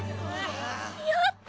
やった！